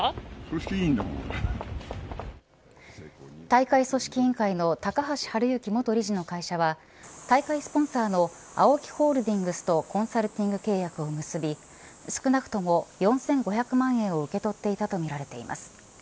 大会組織委員会の高橋治之元理事の会社は大会スポンサーのＡＯＫＩホールディングスとサルティング契約を結び少なくとも４５００万円を受け取っていたとみられています。